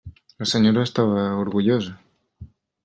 La senyora estava orgullosa.